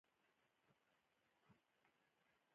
د کورنۍ په شمول یې خپل سر هم ورکړ.